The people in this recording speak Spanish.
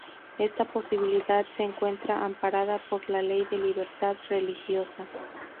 Esta posibilidad se encuentra amparada por la ley de libertad religiosa.